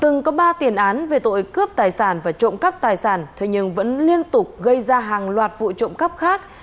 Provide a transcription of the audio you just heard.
từng có ba tiền án về tội cướp tài sản và trộm cắp tài sản thế nhưng vẫn liên tục gây ra hàng loạt vụ trộm cắp khác